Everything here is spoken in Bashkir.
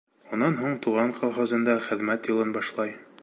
Унан һуң туған колхозында хеҙмәт юлын башлай.